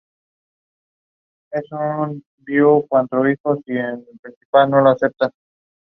Pasividad del Gobierno ante las denuncias de torturas y malos tratos en prisión.